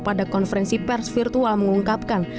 pada konferensi pers virtual mengungkapkan